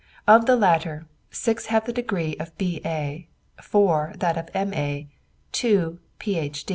Of the latter, six have the degree of B.A., four that of M.A., two Ph.